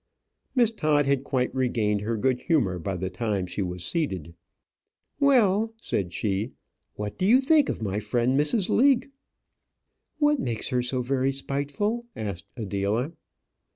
Miss Todd had quite regained her good humour by the time she was seated. "Well," said she, "what do you think of my friend, Mrs. Leake?" "What makes her so very spiteful?" asked Adela.